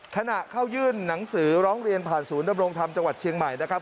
ขณะเข้ายื่นหนังสือร้องเรียนผ่านศูนย์ดำรงธรรมจังหวัดเชียงใหม่นะครับ